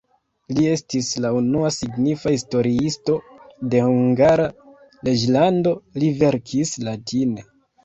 Li estis la unua signifa historiisto de Hungara reĝlando, li verkis latine.